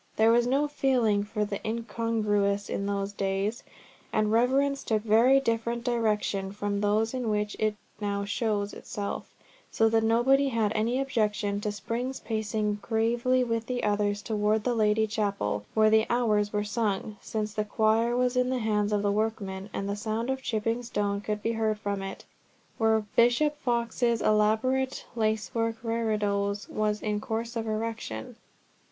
There was no feeling for the incongruous in those days, and reverence took very different directions from those in which it now shows itself, so that nobody had any objection to Spring's pacing gravely with the others towards the Lady Chapel, where the Hours were sung, since the Choir was in the hands of workmen, and the sound of chipping stone could be heard from it, where Bishop Fox's elaborate lace work reredos was in course of erection.